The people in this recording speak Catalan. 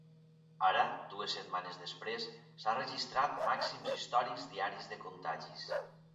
Ara, dues setmanes després, s’ha registrat màxims històrics diaris de contagis.